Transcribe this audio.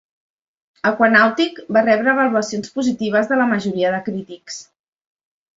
"Aquanautic" va rebre avaluacions positives de la majoria de crítics.